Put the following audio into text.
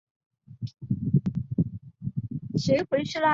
国学大师。